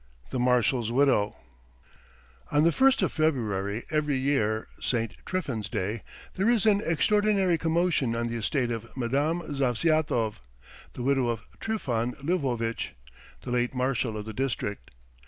THE MARSHAL'S WIDOW ON the first of February every year, St. Trifon's day, there is an extraordinary commotion on the estate of Madame Zavzyatov, the widow of Trifon Lvovitch, the late marshal of the district.